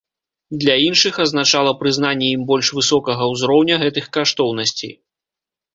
Для іншых азначала прызнанне ім больш высокага ўзроўня гэтых каштоўнасцей.